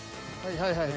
はいはい。